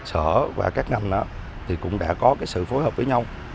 sở và các ngành cũng đã có sự phối hợp với nhau